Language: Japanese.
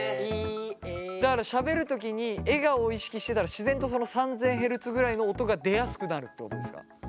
だからしゃべる時に笑顔を意識してたら自然とその３，０００ヘルツぐらいの音が出やすくなるってことですか？